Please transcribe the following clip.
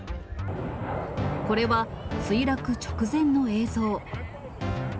これは墜落直前の映像。